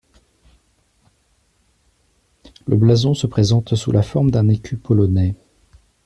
Le blason se présente sous la forme d'un écu polonais.